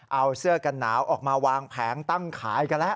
เอาเสื้อกันหนาวออกมาวางแผงตั้งขายกันแล้ว